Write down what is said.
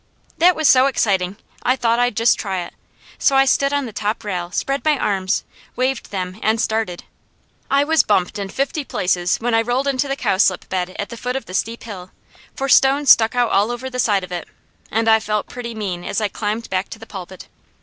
That was so exciting I thought I'd just try it, so I stood on the top rail, spread my arms, waved them, and started. I was bumped in fifty places when I rolled into the cowslip bed at the foot of the steep hill, for stones stuck out all over the side of it, and I felt pretty mean as I climbed back to the pulpit.